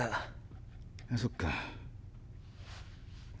そっか。